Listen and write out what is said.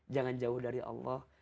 jangan jauh dari allah